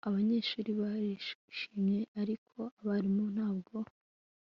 Abanyeshuri barishimye ariko abarimu ntabwo